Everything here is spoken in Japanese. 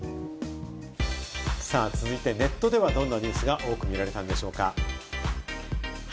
続いてネットではどんなニュースが多く見られたんでしょうか？